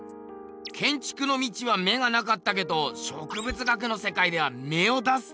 けんちくの道は目がなかったけど植物学の世界では芽を出すってことか？